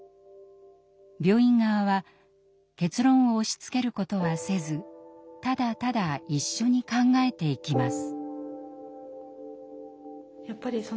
病院側は結論を押しつけることはせずただただ一緒に考えていきます。